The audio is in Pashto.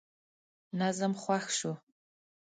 نظم خوښ شو.